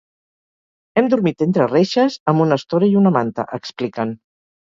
Hem dormit entre reixes amb una estora i una manta, expliquen.